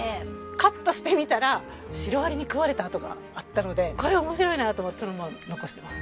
カットしてみたらシロアリに食われた跡があったのでこれ面白いなと思ってそのまま残してます。